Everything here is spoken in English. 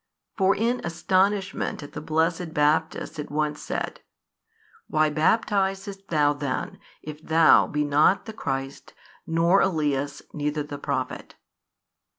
For in astonishment at the blessed Baptist it once said, Why baptizest thou then, if THOU be not the Christ nor Elias neither the Prophet?